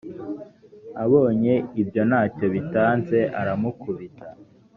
abonye ibyo nta cyo bitanze aramukubita